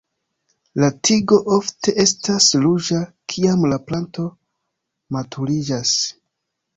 La tigo ofte estas ruĝa kiam la planto maturiĝas.